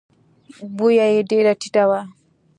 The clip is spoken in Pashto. بویه یې ډېره ټیټه وه.